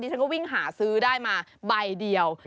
ฉันก็วิ่งหาซื้อได้มาใบเดียว